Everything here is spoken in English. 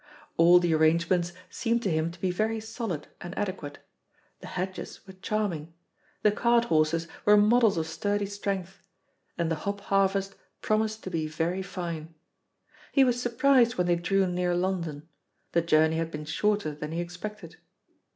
All the arrangements seemed to him to be very solid and adequate. The hedges were charming. The cart horses were models of sturdy strength, and the hop harvest promised to be very fine. He was surprised when they drew near London. The journey had been shorter than he expected.